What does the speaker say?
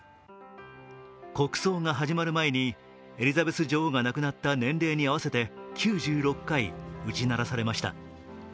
国葬が始まる前にエリザベス女王が亡くなった年齢に合わせて９６回打ち鳴らされました。